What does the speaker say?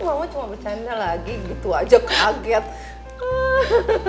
aku mau bercanda lagi gitu aja kaget